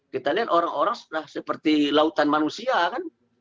kita lihat orang orang seperti lautan manusia kan